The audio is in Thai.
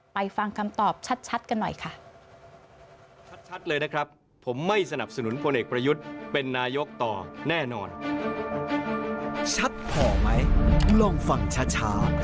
ฟังคำตอบชัดกันหน่อยค่ะ